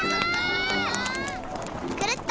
くるっと！